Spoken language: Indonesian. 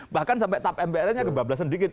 bahkan sampai tap mpr nya kebablasan sedikit